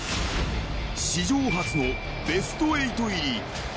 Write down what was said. ［史上初のベスト８入り］